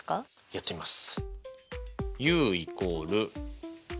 やってみます。